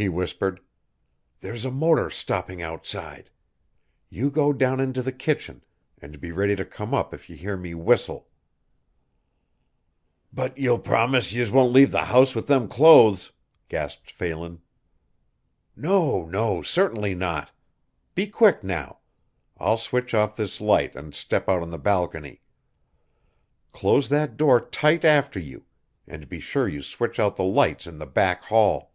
"Sh!" he whispered. "There's a motor stopping outside. You go down into the kitchen and be ready to come up if you hear me whistle." "But ye'll promise yez won't leave the house with them clothes," gasped Phelan. "No, no certainly not. Be quick now I'll switch off this light and step out on the balcony. Close that door tight after you and be sure you switch out the lights in the back hall."